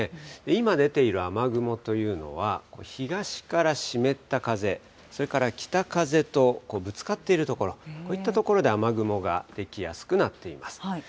今出ている雨雲というのは、東から湿った風、それから北風とぶつかっている所、こういった所で雨雲が出来やすくなっています。